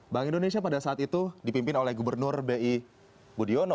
bank indonesia pada saat itu dipimpin oleh gubernur bi budiono